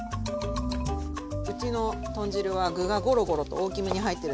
うちの豚汁は具がゴロゴロと大きめに入ってる。